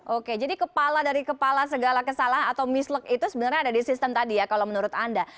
oke jadi kepala dari kepala segala kesalahan atau misleg itu sebenarnya ada di sistem tadi ya kalau menurut anda